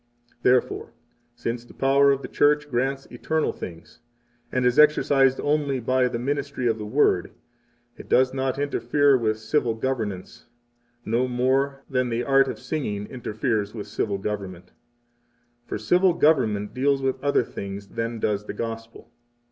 10 Therefore, since the power of the Church grants eternal things, and is exercised only by the ministry of the Word, it does not interfere with civil government; no more than the art of singing interferes with civil government. 11 For civil government deals with other things than does the Gospel.